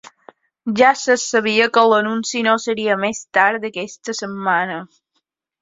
Ja se sabia que l’anunci no seria més tard d’aquesta setmana.